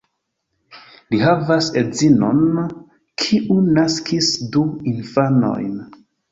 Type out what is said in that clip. Li havas edzinon, kiu naskis du infanojn.